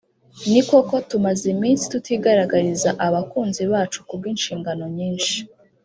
“Ni koko tumaze iminsi tutigaragariza abakunzi bacu ku bw’inshingano nyinshi